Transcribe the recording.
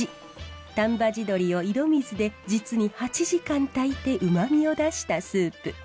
丹波地鶏を井戸水で実に８時間炊いてうまみを出したスープ。